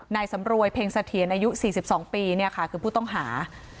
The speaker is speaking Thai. นายสำรวยเพ็งสะเทียนอายุสี่สิบสองปีค่ะคือผู้ต้องหา